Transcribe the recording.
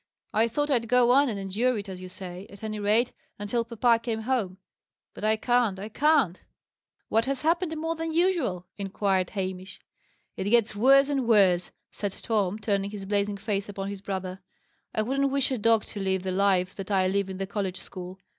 I thought I'd go on and endure it, as you say; at any rate, until papa came home. But I can't I can't!" "What has happened more than usual?" inquired Hamish. "It gets worse and worse," said Tom, turning his blazing face upon his brother. "I wouldn't wish a dog to live the life that I live in the college school.